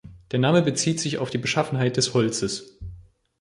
Der Name bezieht sich auf die Beschaffenheit des Holzes.